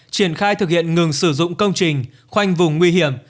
triển khai thực hiện ngừng sử dụng công trình khoanh vùng nguy hiểm